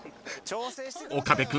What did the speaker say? ［岡部君